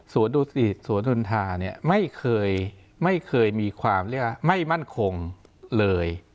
สวดุสิทธิ์สวดุญธาไม่เคยมีความไม่มั่นคงเลย